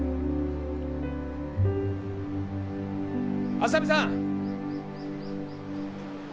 ・浅見さん。